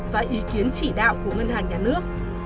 và ý kiến chỉ đạo của ngân hàng nhà nước